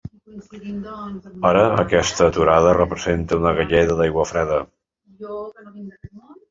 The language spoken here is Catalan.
Ara aquesta aturada representa una galleda d’aigua freda.